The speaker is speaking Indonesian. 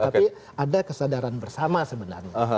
tapi ada kesadaran bersama sebenarnya